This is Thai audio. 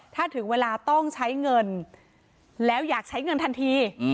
ถ้าถึงเวลาต้องใช้เงินแล้วอยากใช้เงินทันที